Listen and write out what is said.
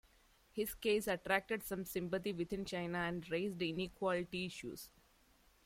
His case attracted some sympathy within China and raised inequality issues.